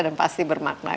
dan pasti bermakna